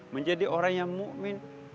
menjadi orang yang mu'min